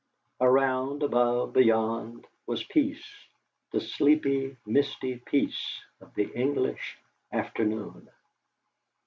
Around, above, beyond, was peace the sleepy, misty peace of the English afternoon.